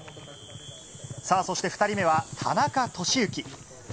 そして２人目は田中利幸。